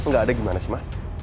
gak ada gimana sih ma